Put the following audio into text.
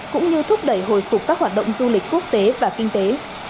cũng như thúc đẩy hồi phục các hoạt động du lịch quốc tế và kinh tế